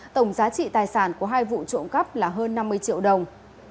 tổng giá trị tài sản của hai vụ trộm cắp là hơn năm mươi triệu đồng